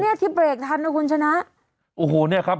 นี่ดีนะที่เบรกทันนะคุณชนะโอ้โฮนี่ครับ